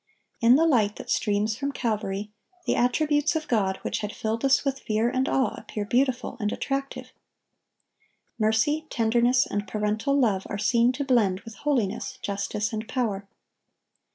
In the light that streams from Calvary, the attributes of God which had filled us with fear and awe appear beautiful and attractive. Mercy, tenderness, and parental love are seen to blend with holiness, justice, and power.